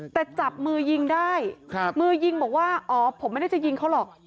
แต่จับมือยิงได้มือยิงบอกว่าอ๋อผมไม่ได้จะยิงเขาหรอก